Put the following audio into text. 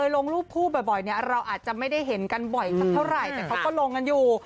ลงรุปภูมิไว้เราอาจจะไม่ได้เห็นกันบ่อยเท่าไหร่แต่เขาก็ลงกันอยู่